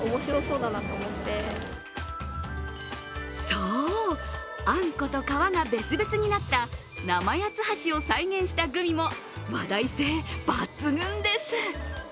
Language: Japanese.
そう、あんこと皮が別々になった生八つ橋を再現したグミも話題性抜群です。